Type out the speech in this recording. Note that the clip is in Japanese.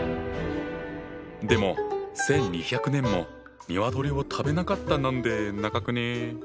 でも１，２００年も鶏を食べなかったなんて長くね？